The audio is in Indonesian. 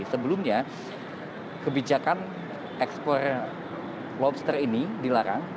sebelumnya kebijakan ekspor lobster ini dilarang